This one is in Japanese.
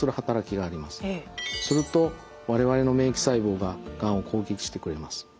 すると我々の免疫細胞ががんを攻撃してくれます。